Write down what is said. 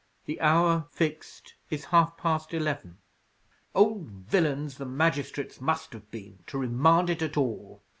The hour fixed is half past eleven." "Old villains the magistrates must have been, to remand it at all!"